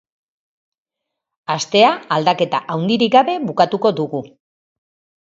Astea aldaketa handirik gabe bukatuko dugu.